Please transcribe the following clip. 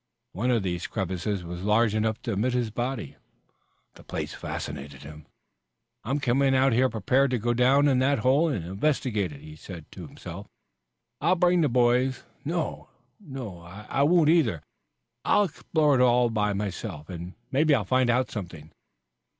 One of these crevices was large enough to admit his body. The place fascinated him. "I'm coming out here prepared to go down in that hole and investigate it," he said to himself. "I'll bring the boys no, I won't either. I'll explore it all myself and maybe I'll find out something."